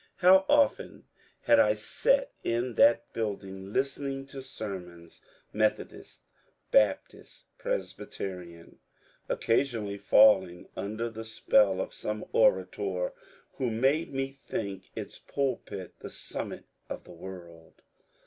How often had I sat in that building listening to sermons — Meth odist, Baptist, Presbyterian — occasionally falling under the spell of some orator who made me think its pulpit the summit of the world